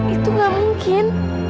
itu gak mungkin